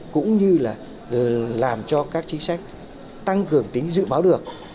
cũng như là làm cho các chính sách tăng cường tính dự báo được